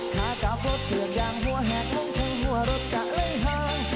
ข้ากะโฟดเกือบยางหัวแหกลงคือหัวรถกะเลยห้าง